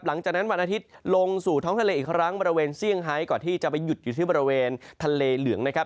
หลังจากนั้นวันอาทิตย์ลงสู่ท้องทะเลอีกครั้งบริเวณเซี่ยงไฮก่อนที่จะไปหยุดอยู่ที่บริเวณทะเลเหลืองนะครับ